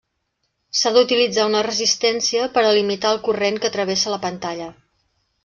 S'ha d'utilitzar una resistència per a limitar el corrent que travessa la pantalla.